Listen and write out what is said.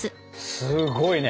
すごいね。